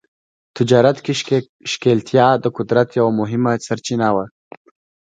تجارت کې ښکېلتیا د قدرت یوه مهمه سرچینه وه.